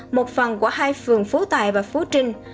một phần của hai phường phú tài và phú trinh